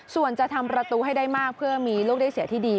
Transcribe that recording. ส่วนจะทำประตูให้ได้มากเพื่อมีลูกได้เสียที่ดี